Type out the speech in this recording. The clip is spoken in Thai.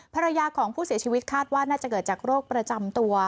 ภรรยาของผู้เสียชีวิตคาดว่าน่าจะเกิดจากโรคประจำตัว